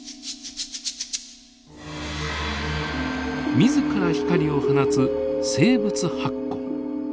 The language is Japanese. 自ら光を放つ生物発光。